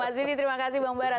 mas didi terima kasih bang bara